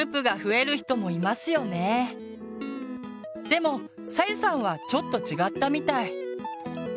でもさゆさんはちょっと違ったみたい。